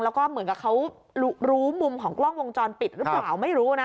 แล้วก็เหมือนกับเขารู้มุมของกล้องวงจรปิดหรือเปล่าไม่รู้นะ